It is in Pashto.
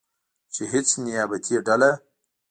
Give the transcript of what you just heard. چې هیڅ نیابتي ډله